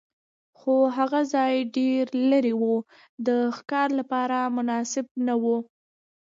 خو هغه ځای ډېر لرې و، د ښکار لپاره مناسب نه و.